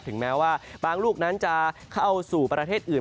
แม้ว่าบางลูกนั้นจะเข้าสู่ประเทศอื่น